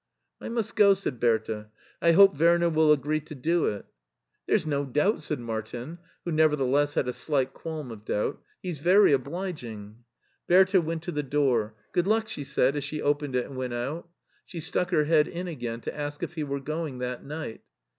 " I must go," said Bertha. " I hope Werner will agree to do it" HEIDELBERG 15 " Thcre*s no doubt," said Martin, who, nevertheless, had a slight qualm of doubt. " He's very obliging." Bertha went to the door. " Good luck," she said as she opened it and went out. She stuck her head in again to ask if he were going that night.